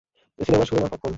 সিনেমার শুরু না পপকর্ন?